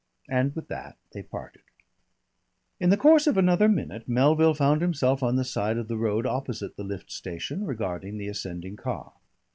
And with that they parted. In the course of another minute Melville found himself on the side of the road opposite the lift station, regarding the ascending car.